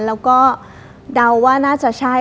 แล้วก็เดาว่าน่าจะใช่